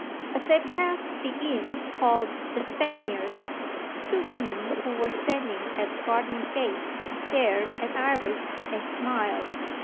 As they passed the inn called "The Spaniards," two women who were standing at the garden gate stared at Iris, and smiled.